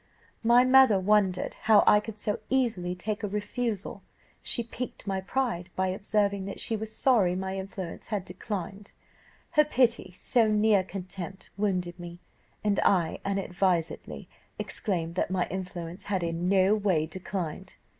"My mother wondered how I could so easily take a refusal; she piqued my pride by observing that she was sorry my influence had declined; her pity, so near contempt, wounded me, and I unadvisedly exclaimed that my influence had in no way declined.